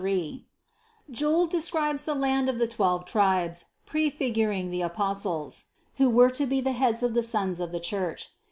Joel describes the land of the twelve tribes, prefiguring the apostles, who were to be the heads of all the sons of the Church.